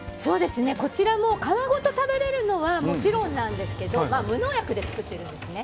こちら、皮ごと食べれるのはもちろんなんですけど無農薬で作ってるんですね。